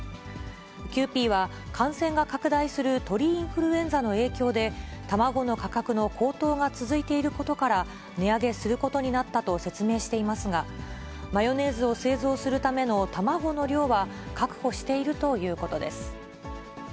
キユーピーは、感染が拡大する鳥インフルエンザの影響で、卵の価格の高騰が続いていることから、値上げすることになったと説明していますが、マヨネーズを製造するための卵の量は確保しているということです。